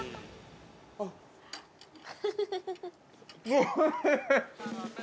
◆おいしい。